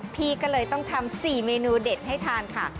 พี่ก็เลยต้องทำ๔เมนูเด็ดให้ทานค่ะ